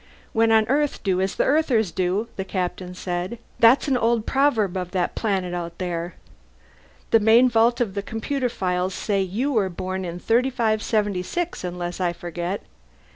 "When on Earth, do as the Earthers do," the Captain said. "That's an old proverb of that planet out there. The main vault of the computer files says you were born in 3576, unless I forget.